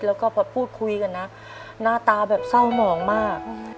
แล้วก็พอพูดคุยกันนะหน้าตาแบบเศร้าหมองมาก